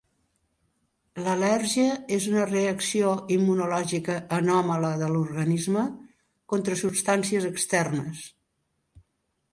L'al·lèrgia és una reacció immunològica anòmala de l'organisme contra substàncies externes.